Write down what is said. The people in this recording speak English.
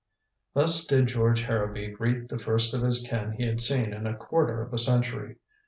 Thus did George Harrowby greet the first of his kin he had seen in a quarter of a century.